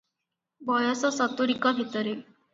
ବୟସ ସତୁରିକ ଭିତରେ ।